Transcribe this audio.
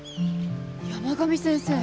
山上先生。